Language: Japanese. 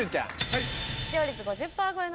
はい。